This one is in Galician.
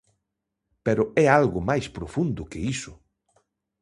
Pero é algo máis profundo que iso.